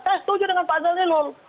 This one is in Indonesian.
saya setuju dengan pak zainul